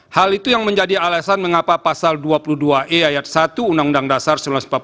hal itu yang menjadi alasan mengapa pasal dua puluh dua e ayat satu undang undang dasar seribu sembilan ratus empat puluh lima